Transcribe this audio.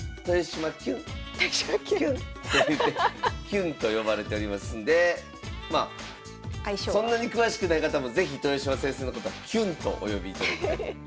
「きゅん」と呼ばれておりますんでまあそんなに詳しくない方も是非豊島先生のこと「きゅん」とお呼びいただきたいと思います。